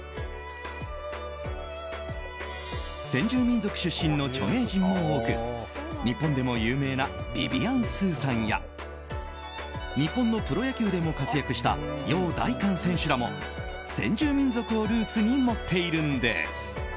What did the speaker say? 先住民族出身の著名人も多く日本でも有名なビビアン・スーさんや日本のプロ野球でも活躍したヨウ・ダイカン選手らも先住民族をルーツに持っているんです。